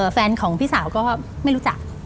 แฟนของพี่สาวก็ไม่รู้จัก